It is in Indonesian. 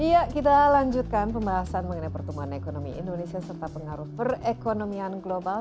ya kita lanjutkan pembahasan mengenai pertumbuhan ekonomi indonesia serta pengaruh perekonomian global